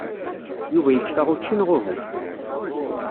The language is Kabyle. Yuba yekfa učči neɣ uhu?